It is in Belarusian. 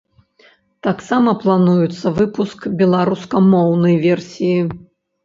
Таксама плануецца выпуск беларускамоўнай версіі.